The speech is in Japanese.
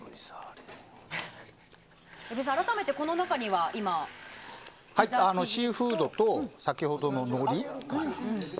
江部さん、改めてこの中にはシーフードと先ほどの、のり。